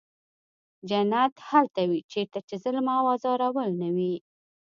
جنت هلته وي چېرته چې ظلم او ازارول نه وي.